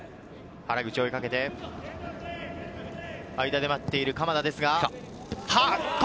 原口、追いかけて間で待っている鎌田ですが、。